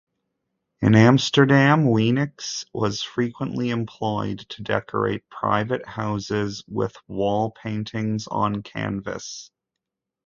In Amsterdam Weenix was frequently employed to decorate private houses with wall-paintings on canvas.